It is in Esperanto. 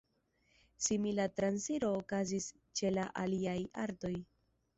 Simila transiro okazis ĉe la aliaj artoj.